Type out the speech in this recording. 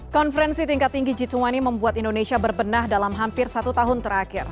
konferensi tingkat tinggi g dua puluh membuat indonesia berbenah dalam hampir satu tahun terakhir